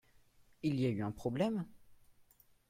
Il y a eu un problème ?